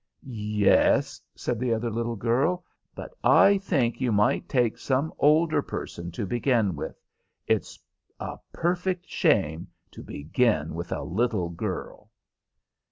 "Yes," said the other little girl, "but I think you might take some older person to begin with. It's a perfect shame to begin with a little girl."